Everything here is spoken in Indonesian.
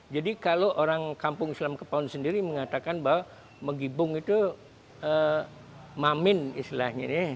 jadi kalau orang kampung islam kepaun sendiri mengatakan bahwa megibung itu mamin istilahnya